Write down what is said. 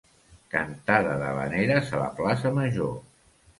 Cantada d'havaneres a la plaça major.